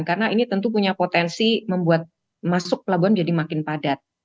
karena ini tentu punya potensi membuat masuk pelabuhan jadi makin padat